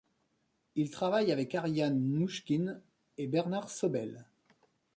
Il travaille avec Ariane Mnouchkine et Bernard Sobel.